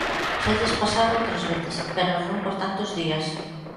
Xa lles pasara outras veces, pero non por tantos días.